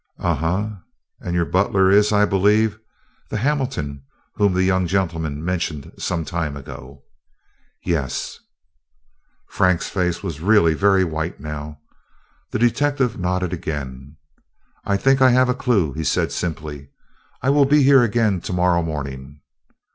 "Uh huh! and your butler is, I believe, the Hamilton whom the young gentleman mentioned some time ago." "Yes." Frank's face was really very white now. The detective nodded again. "I think I have a clue," he said simply. "I will be here again to morrow morning."